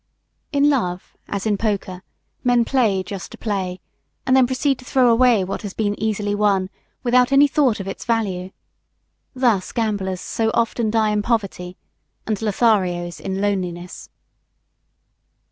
In love, as in poker, men play just to play and then proceed to throw away what has been easily won, without any thought of its value. Thus gamblers so often die in poverty and Lotharios in loneliness.